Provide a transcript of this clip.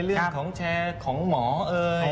เรื่องของแชร์ของหมอเอ่ย